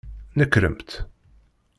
Nekremt!